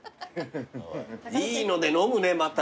いいので飲むねまた。